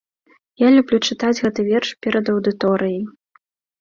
Я люблю чытаць гэты верш перад аўдыторыяй.